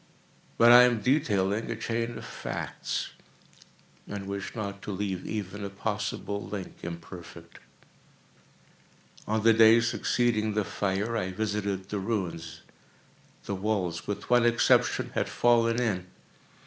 But I am detailing a chain of facts—and wish not to leave even a possible link imperfect. On the day succeeding the fire, I visited the ruins. The walls, with one exception, had fallen in.